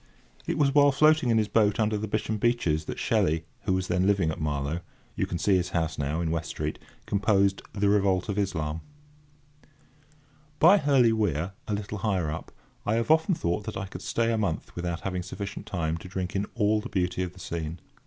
It was while floating in his boat under the Bisham beeches that Shelley, who was then living at Marlow (you can see his house now, in West street), composed The Revolt of Islam. By Hurley Weir, a little higher up, I have often thought that I could stay a month without having sufficient time to drink in all the beauty of the scene.